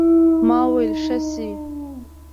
ما وويل ښه شى.